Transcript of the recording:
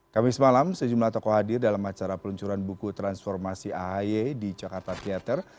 kamis malam sejumlah tokoh hadir dalam acara peluncuran buku transformasi ahy di jakarta theater